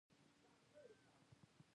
ایا حافظه مو کمزورې شوې ده؟